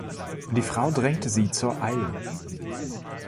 Die Frau drängte sie zur Eile.